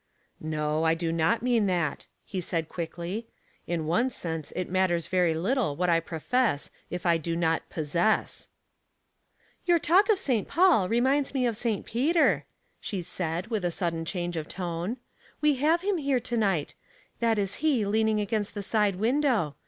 " I do not mean that," he said, quickly. " In one sense it matters very little what I profess if I do not possess,^' *' Your talk about St. Paul reminds me of St. Peter," she said, with a sudden change of tone. " We have him here to night ; that is he leaning against the side window.